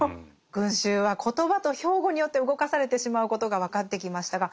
群衆は言葉と標語によって動かされてしまうことがわかってきましたが